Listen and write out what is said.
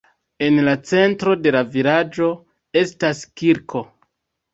En la centro de la vilaĝo estas kirko.